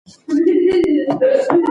ساینسپوهان اوس پر دې کار کوي.